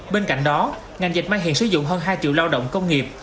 bên cạnh đó ngành dịch may hiện sử dụng hơn hai triệu lao động công nghiệp